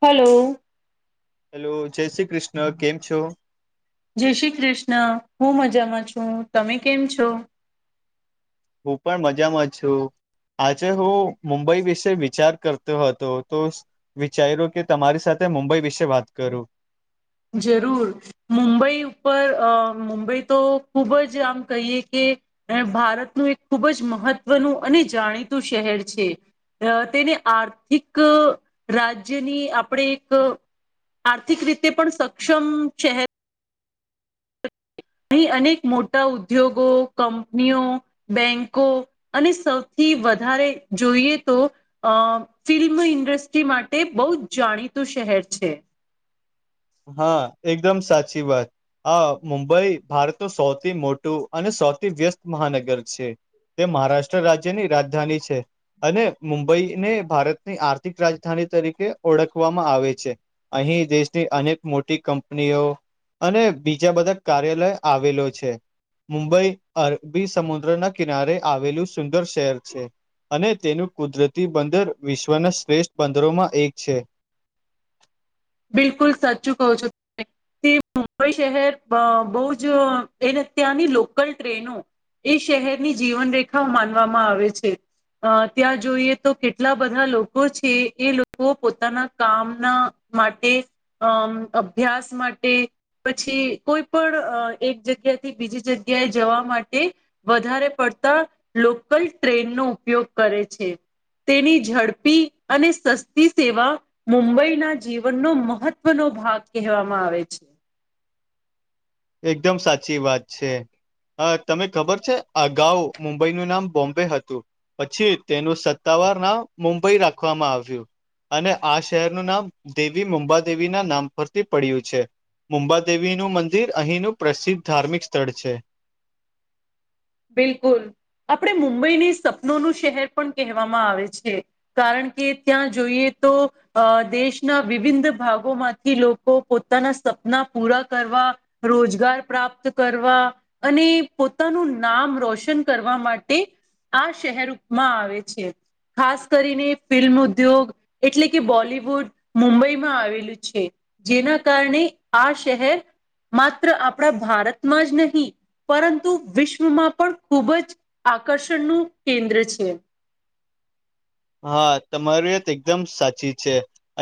Hello hello જય શ્રી કૃષ્ણ કેમ છો? જય શ્રી કૃષ્ણ હું મજામાં છું તમે કેમ છો? હું પણ મજામાં છું. આજે હું મુંબઈ વિશે વિચાર કરતો હતો તો વિચાર્યું કે તમારી સાથે મુંબઈ વિશે વાત કરું. જરૂર મુંબઈ ઉપર અ મુંબઈ તો ખુબ જ આમ કહીએ કે ભારતનું એક ખૂબ જ મહત્વનું અને જાણીતું શહેર છે. અ તેને આર્થિક રાજ્યની આપણે એક આર્થિક રીતે પણ સક્ષમ શહેર અહી અનેક મોટા ઉદ્યોગો કંપનીઓ બેંકો અને સૌથી વધારે જોઈએ તો અ ફિલ્મ ઇન્ડસ્ટ્રી માટે બહુ જ જાણીતું શહેર છે. હા એકદમ સાચી વાત. આ મુંબઈ ભારતનું સૌથી મોટું અને સૌથી વ્યસ્ત મહાનગર છે. તે મહારાષ્ટ્ર રાજ્યની રાજધાની છે. અને મુંબઈને ભારતની આર્થિક રાજધાની તરીકે ઓળખવામાં આવે છે. અહીં દેશની અનેક મોટી કંપનીઓ અને બીજા બધા કાર્યાલય આવેલો છે. મુંબઈ અરબી સમુદ્રના કિનારે આવેલું સુંદર શહેર છે. અને તેનું કુદરતી બંદર વિશ્વના શ્રેષ્ઠ બંદરોમાં એક છે. બિલકુલ સાચું કો છો તે મુંબઈ શહેર બહુ જ એને અત્યારની લોકલ ટ્રેનો એ શહેરની જીવન રેખાઓ માનવામાં આવે છે. અ ત્યાં જોઈએ તો કેટલા બધા લોકો છે એ લોકો પોતાના કામના માટે અમ અભ્યાસ માટે પછી કોઈ પણ અ એક જગ્યા થી બીજી જગ્યાએ જવા માટે વધારે પડતા લોકલ ટ્રેન નો ઉપયોગ કરે છે. તેની ઝડપી અને સસ્તી સેવા મુંબઈના જીવનનો મહત્વનો ભાગ કહેવામાં આવે છે. એકદમ સાચી વાત છે. હ તમે ખબર છે અગાઉ મુંબઈનું નામ બોમ્બે હતું. પછી તેનું સત્તાવાર નામ મુંબઈ રાખવામાં આવ્યું. અને આ શહેરનું નામ દેવી મુંબાદેવી ના નામ પરથી પડ્યું છે. મુંબાદેવીનું મંદિર અહીંનું પ્રસિદ્ધ ધાર્મિક સ્થળ છે. બિલકુલ આપણે મુંબઈની સપનોનું શહેર પણ કહેવામાં આવે છે. કારણ કે ત્યાં જોઈએ તો અ દેશના વિવિનધ ભાગોમાંથી લોકો પોતાના સપના પૂરા કરવા રોજગાર પ્રાપ્ત કરવા અને પોતાનું નામ રોશન કરવા માટે આ શહેરમાં આવે છે. ખાસ કરીને ફિલ્મ ઉદ્યોગ એટલે કે બોલિવુડ મુંબઈમાં આવેલું છે. જેના કારણે આ શેહેર માત્ર આપણા ભારતમાં જ નહીં પરંતુ વિશ્ શ્વમાં પણ ખુબ જ આકર્ષણનું કેન્દ્ર છે. હા તમારી વાત એકદમ સાચી છે,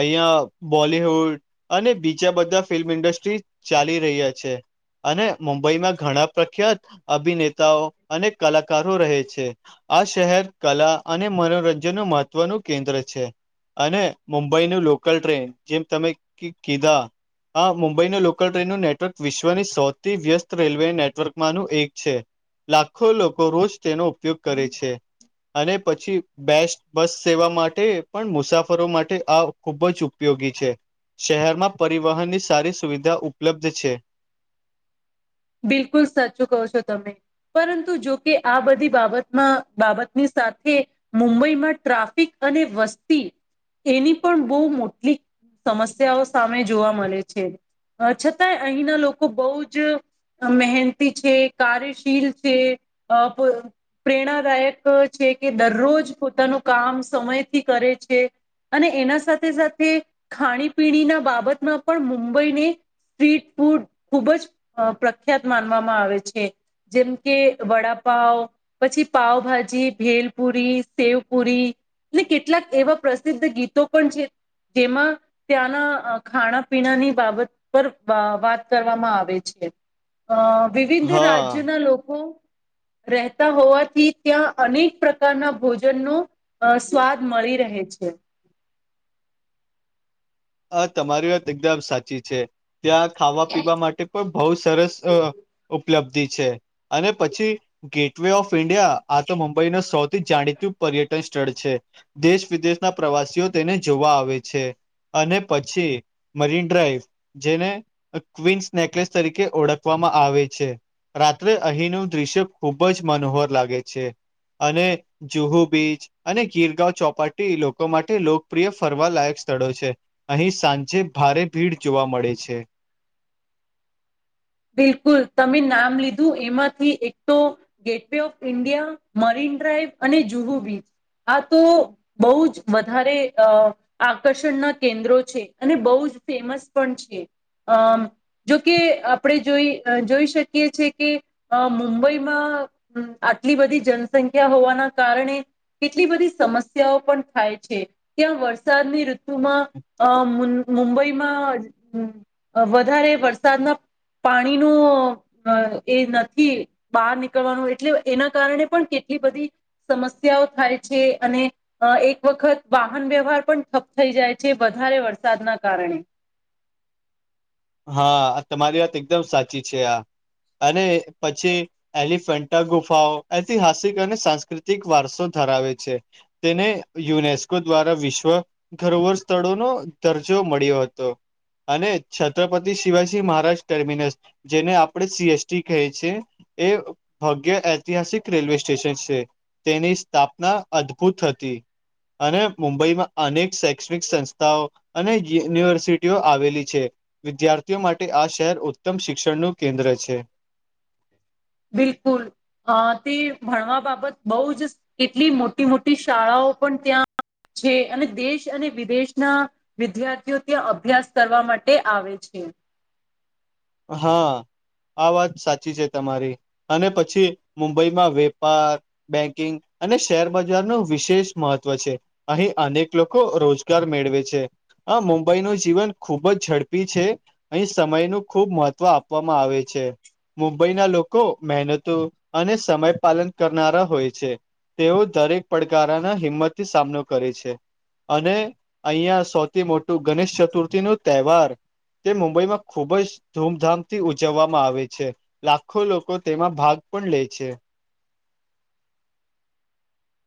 અહિયાં બોલીહુડ અને બીજા બધા ફિલ્મ ઇન્ડસ્ટ્રી ચાલી રહ્યા છે. અને મુંબઈમાં ઘણા પ્રખ્યાત અભિનેતાઓ અને કલાકારો રહે છે. આ શહેર કલા અને મનોરંજન નું મહત્વનું કેન્દ્ર છે. અને મુંબઈ નું લોકલ ટ્રેન જેમ તમે કી કીધા હા મુંબઈનું લોકલ ટ્રેનનું નેટવર્ક વિશ્વની સૌથી વ્યસ્ત રેલવે નેટવર્કમાંનું એક છે. લાખો લોકો રોજ તેનો ઉપયોગ કરે છે અને પછી બેસ્ બસ સેવા માટે પણ મુસાફરો માટે આ ખુબ જ ઉપયોગી છે. શહેરમાં પરિવહનની સારી સુવિધા ઉપલબ્ધ છે. બિલકુલ સાચું કહો છો તમે. પરંતુ જોકે આ બધી બાબતમાં બાબતની સાથે મુંબઈમાં ટ્રાફિક અને વસ્તી એની પણ બહુ મોટલી સમસ્યાઓ સામે જોવા મળે છે, અ છતાંય અહીંના લોકો બહુ જ મહેનંતી છે, કાર્યશીલ છે, અ પ્રેરણાદાયક અ છે કે દરરોજ પોતાનું કામ સમયથી કરે છે. અને એના સાથે સાથે ખાણીપીણી ના બાબતમાં પણ મુંબઈને સ્ટ્રીટ ફૂડ ખુબ જ અ પ્રખ્યાત માનવામાં આવે છે. જેમ કે વડાંપાવ પછી પાાવભાજી, ભેલપુરી, સેવ પુરી. એટલે કેટલાક એવા પ્રસિદ્ધ ગીતો પણ છે, જેમાં ત્યાંના ખાણા પીણાની બાબત પર વા વાત કરવામાં આવે છે. અ વિવિધ હા રાજ્યના લોકો રહેતા હોવાથી ત્યાં અનેક પ્રકારના ભોજનનો અ સ્વાદ મળી રહે છે. અ તમારી વાત એકદમ સાચી છે, ત્યાં ખાવા પીવા માટે પણ બહુ સરસ અ ઉપલબ્ધિ છે, અને પછી ગેટ વ ઓફ ઇન્ડિયા, આ તો મુંબઈનું સૌથી જાણીતું પર્યટન સ્થળ છે. દેશ વિદેશના પ્રવાસીઓ તેને જોવા આવે છે. અને પછી મરીન ડ્રાઈવ જેને ક્વિન્સ નેકલેસ તરીકે ઓળખવામાં આવે છે. રાત્રે અહીંનું દ્રશ્ય ખૂબ જ મનોહર લાગે છે અને જુહુ બીચ અને ગીરગાંવ ચોપાટી લોકો માટે લોકપ્રિય ફરવા લાયક સ્થળો છે. અહીં સાંજે ભારે ભીડ જોવા મળે છે. બિલકુલ તમે નામ લીધું એમાંથી એક તો ગેટ વ ઓફ ઇન્ડિયા મરીન ડ્રાઈવ અને જુહુ બીચ આ તો બહુ જ વધારે અ આકર્ષણના કેન્દ્રો છે અને બહુ જ ફેમસ પણ છે અમ જોકે આપણે જોઈ જોઈ શકીએ છે કે અ મુંબઈમાં આટલી બધી જનસંખ્યા હોવાના કારણે એટલી બધી સમસ્યાઓ પણ થાય છે ત્યાં વરસાદની ઋતુમાં અ મુંબઈમાં વધારે વરસાદના પાણીનું અ એ નથી બહાર નીકળવાનું એટલે એના કારણે પણ કેટલી બધી સમસ્યાઓ થાય છે અને અ એક વખત વાહન વ્યવહાર પણ ઠપ્પ થઈ જાય છે વધારે વરસાદના કારણે હા તમારી વાત એકદમ સાચી છે આ અને પછી એલિફન્ટા ગુફાઓ ઐતિહાસિક અને સાંસ્કૃતિક વારસો ધરાવે છે તેને યુનેસ્કો દ્વારા વિશ્વ ઘરોવર સ્થળોનો દરજો મળ્યો હતો અને છત્રપતિ શિવાજી મહારાજ ટર્મિનસ જેને આપડણે સીએસટી કહે છે એ ભાગ્ય ઐતિહાસિક રેલવે સ્ટેશન છે તેની સ્થાપના અદભુત હતી અને મુંબઈમાં અનેક શૈક્ષણિક સંસ્થાઓ અને યુનિવર્સિટીઓ આવેલી છે વિદ્યાર્થીઓ માટે આ શહેર ઉત્તમ શિક્ષણનું કેન્દ્ર છે બિલકુલ અ તે ભણવા બાબત બહ જ કેટલી મોટી મોટી શાળાઓ પણ ત્યાં. છે અને દેશ અને વિદેશના વિદ્યાર્થીઓ ત્યાં અભ્યાસ કરવા માટે આવે છે. હા આ વાત સાચી છે તમારી અને પછી મુંબઈમાં વેપાર બેંકિંગ અને શેરબજાર નો વિશેષ મહત્ત્વ છે. અહીં અનેક લોકો રોજગાર મેળવે છે. હા મુંબઈનું જીવન ખુબ જ ઝડપી છે અહીં સમયનું. ખૂબ મહત્ત્વ આપવામાં આવે છે. મુંબઈના લોકો મહેનતો અને સમય પાલન કરનારા હોય છે. તેઓ દરેક પડકારના હિંમતથી સામનો કરે છે. અને અહં સૌથી મોટું ગણેશ ચતુર્થી નું તહેવાર તે મુંબઈમાં ખુબ જ ધૂમધામથી ઉજવવામાં આવે છે લાખો લોકો તેમાં ભાગ પણ લે છે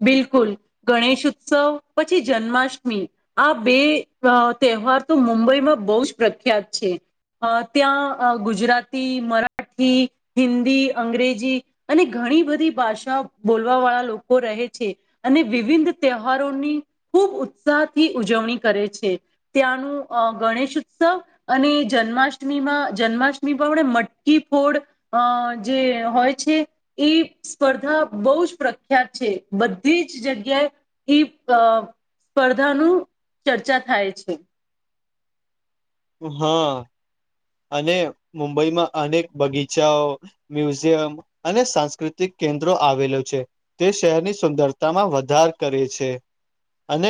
બિલકુલ ગણેશ ઉત્સવ પછી જન્માષ્ટમી આ બે તહેવાર તો મુંબઈમાં બહુ જ પ્રખ્યાત છે અ ત્યાં ગુજરાતી મરાઠી હિન્દી અંગ્રેજી અને ઘણી બધી ભાષા બોલવા વાળા લોકો રહે છે. અને વિવિધ તહેવારોની ખૂબ ઉત્સાહથી ઉજવણી કરે છે ત્યાંનું અ ગણેશ ઉત્સવ અને જન્માષ્ટમીમાં જન્માષ્ટમી પણણે મટકી ફોડ અ જે હોય છે એ સ્પર્ધા બહ જ પ્રખ પખ્યાત છે બધી જ જગ્યાએ એઈ સ્પર્ધા નું ચર્ચા થાય છે. હા અને મુંબઈમાં અનેક બગીચાઓ મ્યુઝિયમ અને સાંસ્કૃતિક કેન્દ્રો આવેલો છે તે શહેરની સુંદરતામાં વધાર કરે છે અને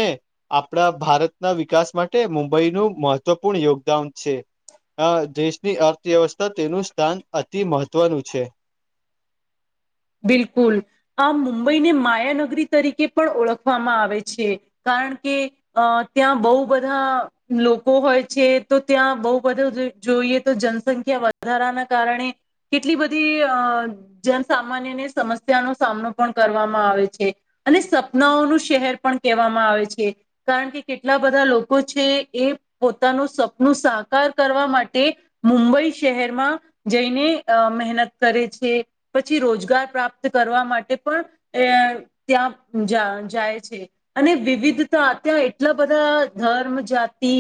આપણા ભારતના વિકાસ માટે મુંબઈનું મહત્વ પૂર્ણ યોગદાન છે. અ દેશની અર્થવ્યવસ્થા તેનું સ્થાન અતિ મહત્વનું છે. બિલકુલ આ મુંબઈને માયા નગરી તરીકે પણ ઓળખવામાં આવે છે. કારણ કે અ ત્યાં બહુ બધા લોકો હોય છે તો ત્યાં બહુ બધું જોઈએ તો જનસંખ્યા વધારાના કારણે કેટલી બધી અ જનસામાન્ય ને સમસ્યાનો સામનો પણ કરવામાં આવે છે. અને સપનાઓનું શહેર પણ કહેવામાં આવે છે. કારણ કે કેટલા બધા લોકો છે એ પોતાનું સપનું સાકાર કરવા માટે મુંબઈ શહેરમાં જઈને અ મહેનત કરે છે. પછી રોજગાર પ્રાપ્ત કરવા માટે પણ અ ત્યાં જા જાય છે. અને વિવિધતા અ ત્યાં એટલા બધા ધર્મ જાતિ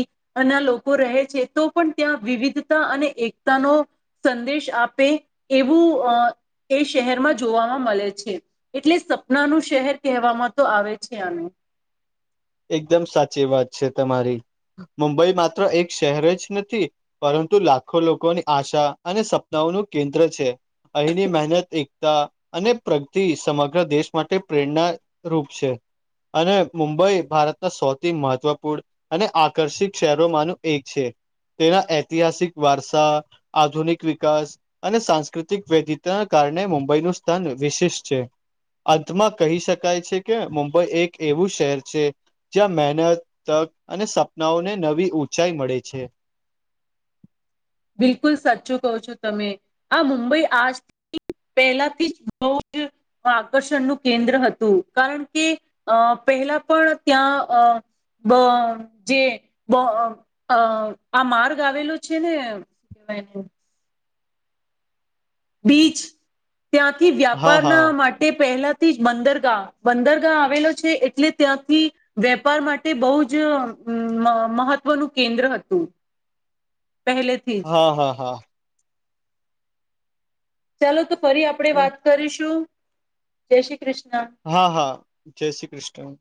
ના લોકો રહે છે તો પણ ત્યાં વિવિધતા અને એકતાનો સંદેશ આપે એવું અ એ શહેરમાં જોવાવામાં મળે છે એટલે સપના નું શહેર કહેવામાં તો આવે છે આને એકદમ સાચી વાત છે તમારી મુંબઈ માત્ર એક શહેર જ નથી પરંતુ લાખો લોકોની આશા અને સપનાઓનું કેન્દ્ર છે. અહીંની મહેનત એકતા અને પ્રગતિ સમગ્ર દેશ માટે પ્રેરણા રૂપ છે અને મુંબઈ ભારતના સૌથી મહત્વપૂર્ણ અને આકર્ષિત શહેરોમાંનું એક છે. તેના ઐતિહાસિક વારસા આધુનિક વિકાસ અને સાંસ્કૃતિક વૈધતાના કારણે મુંબઈનું સ્થાન વિશેિષ છે. અંતમાં કહી શકાય છે કે મુંબઈ એક એવું શહેર છે. જ્યાં મહેનત તક અને સપનાઓને નવી ઊંચાઈ મળે છે. બિલકુલ સાચું કહું છું તમે આ મુંબઈ આજ પહેલા થી જ બહુ જ આકર્ષણનું કેન્દ્ર હતું કારણ કે અ પહેલા પણ ત્યાં અ બ જે બ અ આ માર્ગ આવેલો છે ને [inaudible] બીચ ત્યાંથી હા વ્યાપારના હા માટે. તે પહેલાથી જ બંદરગાહ બંદરગાહ આવેલો છે એટલે ત્યાંથી વેપાર માટે બહુજ હું મહ મહત્વનું કેન્દ્ર હતું. પહેલે હા હા હા ચાલો તો ફરી આપણેે વાત કરીશું જય શ્રી કૃષ્ણ હા હા જય શ્રી કૃષ્ણ